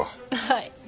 はい。